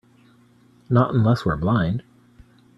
Not unless we're blind.